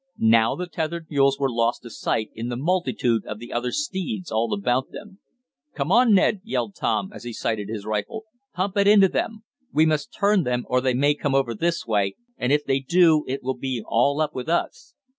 Now the tethered mules were lost to sight in the multitude of the other steeds all about them. "Come on, Ned!" yelled Tom, as he sighted his rifle. "Pump it into them! We must turn them, or they may come over this way, and if they do it will be all up with us."